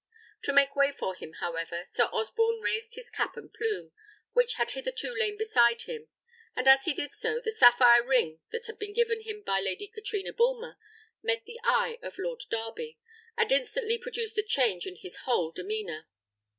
To make way for him, however, Sir Osborne raised his cap and plume, which had hitherto lain beside him; and as he did so, the sapphire ring that had been given him by Lady Katrina Bulmer met the eye of Lord Darby, and instantly produced a change in his whole demeanour.